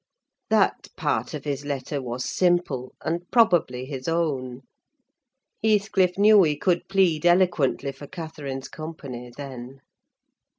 That part of his letter was simple, and probably his own. Heathcliff knew he could plead eloquently for Catherine's company, then.